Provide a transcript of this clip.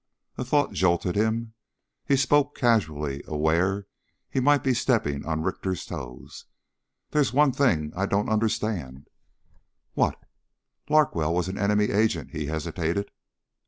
A thought jolted him. He spoke casually, aware he might be stepping on Richter's toes: "There's one thing I don't understand...." "What?" "Larkwell's an enemy agent...." He hesitated.